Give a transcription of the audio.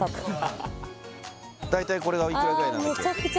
大体これがおいくらぐらいなんだっけ？